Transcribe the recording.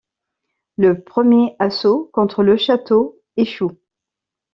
Le premier assaut contre le château échoue.